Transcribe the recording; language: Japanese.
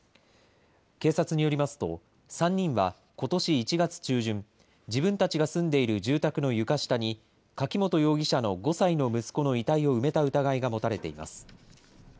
警察によりますと、３人はことし１月中旬、自分たちが住んでいる住宅の床下に、柿本容疑者の５歳の息子の遺体を埋めた疑いが持たれています。